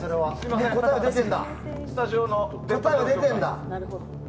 答えは出てるんだ。